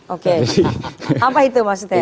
oke apa itu maksudnya